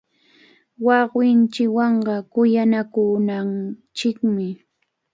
Wawqinchikwanqa kuyanakunanchikmi.